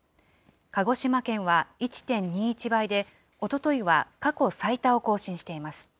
鹿児島県は１．２１倍で、おとといは過去最多を更新しています。